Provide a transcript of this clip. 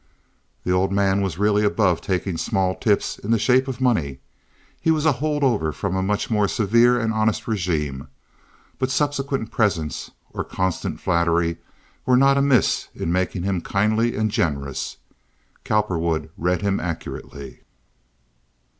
The old man was really above taking small tips in the shape of money. He was a hold over from a much more severe and honest regime, but subsequent presents or constant flattery were not amiss in making him kindly and generous. Cowperwood read him accurately.